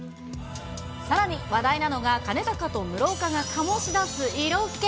さらに、話題なのが、兼高と室岡がかもしだす色気。